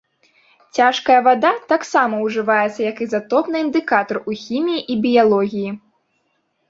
Цяжкая вада таксама ўжываецца як ізатопны індыкатар у хіміі і біялогіі.